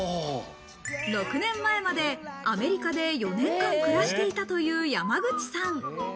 ６年前までアメリカで４年間暮らしていたという山口さん。